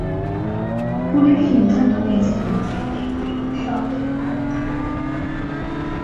Police সিদ্ধান্ত নিয়েছিল যে এগুলি সন্দেহের আরেকটি কারণ।